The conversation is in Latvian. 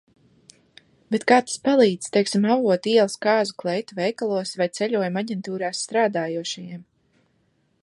Bet kā tas palīdz, teiksim, Avotu ielas kāzu kleitu veikalos vai ceļojumu aģentūrās strādājošajiem?